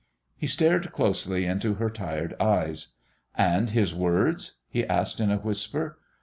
He stared closely into her tired eyes. "And his words?" he asked in a whisper.